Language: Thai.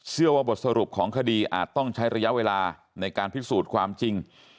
ว่าบทสรุปของคดีอาจต้องใช้ระยะเวลาในการพิสูจน์ความจริง